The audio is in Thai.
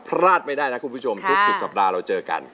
พลาดไม่ได้นะคุณผู้ชมทุกสุดสัปดาห์เราเจอกัน